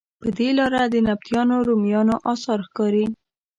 پر دې لاره د نبطیانو، رومیانو اثار ښکاري.